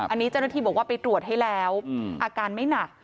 อันนี้เจ้าหน้าที่บอกว่าไปตรวจให้แล้วอาการไม่หนัก